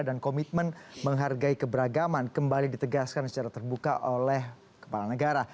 dan komitmen menghargai keberagaman kembali ditegaskan secara terbuka oleh kepala negara